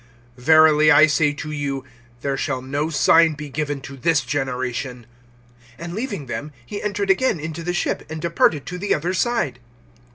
Verily I say to you, there shall no sign be given to this generation. (13)And leaving them, he entered again into the ship, and departed to the other side.